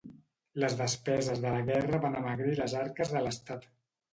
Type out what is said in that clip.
Les despeses de la guerra van amagrir les arques de l'estat.